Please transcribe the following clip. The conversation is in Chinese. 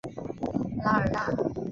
拉尔纳。